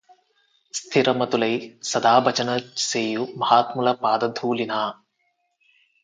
స్ధిరమతులై సదాభజన సేయు మహాత్ముల పాదధూళి నా